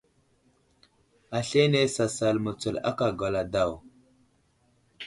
Aslane sasal mətsul aka gala daw.